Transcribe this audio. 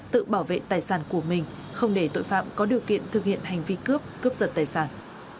tự bảo vệ tài sản của mình không để tội phạm có điều kiện thực hiện hành vi cướp cướp giật tài sản